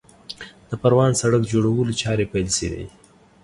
د پروان سړک جوړولو چارې پیل شوې